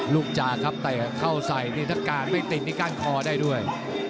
รุ่งจักรครับต่ายเข้าใสดินทะการ้ไม่ติดในกั้นคอได้ด้วย